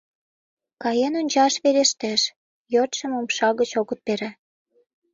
— Каен ончаш верештеш, йодшым умша гыч огыт пере.